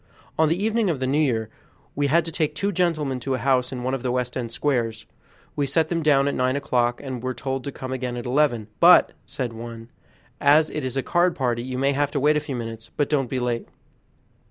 On the evening of the New Year we had to take two gentlemen to a house in one of the West End Squares. We set them down at nine o'clock, and were told to come again at eleven, "but," said one, "as it is a card party, you may have to wait a few minutes, but don't be late."